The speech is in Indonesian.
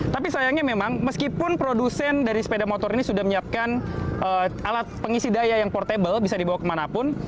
tapi sayangnya memang meskipun produsen dari sepeda motor ini sudah menyiapkan alat pengisi daya yang portable bisa dibawa kemanapun